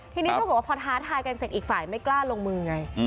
ทีนี้ปรากฏว่าพอท้าทายกันเสร็จอีกฝ่ายไม่กล้าลงมือไง